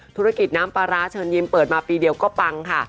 ธุรกิจน้ำปลาร้าเชิญยิ้มเปิดมาปีเดียวก็ปังค่ะ